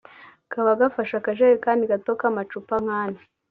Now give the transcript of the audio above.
kaba gafashe akajerikani gato k’amacupa nk’ane